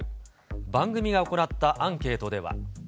番組が行ったアンケートでは。